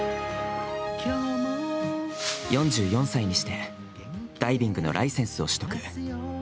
４４歳にして、ダイビングのライセンスを取得。